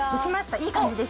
いい感じです。